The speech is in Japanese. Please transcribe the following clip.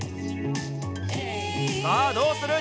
さあ、どうする？